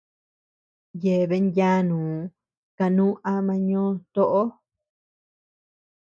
Yeabean yanuu kanu ama ñó toʼo.